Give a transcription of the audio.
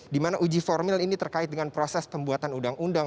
di mana uji formil ini terkait dengan proses pembuatan undang undang